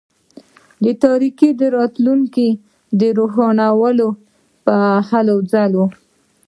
د تاریکي راتلونکي د روښانولو په هلوځلو.